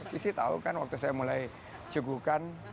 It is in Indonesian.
sisi tahu kan waktu saya mulai cegukan